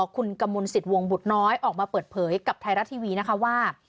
คุณกมลสิทธิวงบุตรน้อยออกมาเปิดเผยกับไทยรัฐทีวีนะคะว่า